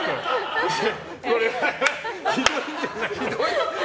これはひどいんじゃない？